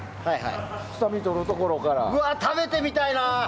食べてみたいな。